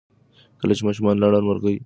کله چې ماشومان لاړل، مرغۍ د ډاډ ساه واخیسته.